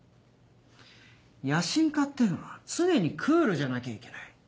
野心家っていうのは常にクールじゃなきゃいけない。